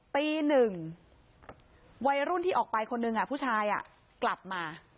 ตีหนึ่งวัยรุ่นที่ออกไปคนหนึ่งผู้ชายกลับมา